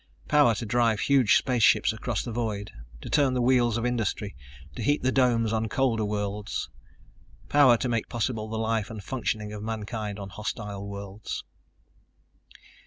Power to drive huge spaceships across the void, to turn the wheels of industry, to heat the domes on colder worlds. Power to make possible the life and functioning of mankind on hostile worlds.